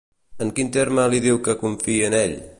En quin terme li diu que confí en ell?